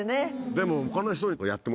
でも。